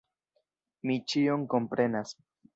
Mi ĉion komprenas.